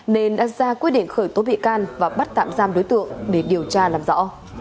nên đã ra quyết định khởi tố bị can và bắt tạm giam đối tượng để điều tra làm rõ